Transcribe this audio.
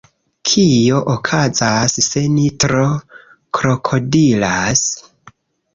Kio okazas se ni tro krokodilas?